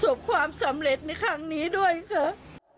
บความสำเร็จในครั้งนี้ด้วยค่ะ